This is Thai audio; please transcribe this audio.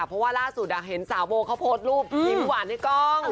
เพราะว่าล่าสุดเห็นสาวโบเขาโพสต์รูปยิ้มหวานในกล้อง